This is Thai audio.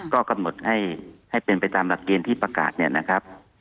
ก็กำหนดให้เป็นไปตามหลักเกณฑ์ที่ประกาศเนี่ยนะครับ